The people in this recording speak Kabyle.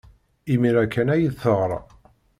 Imir-a kan ay d-teɣra.